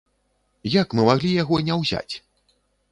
Як мы маглі яго не ўзяць?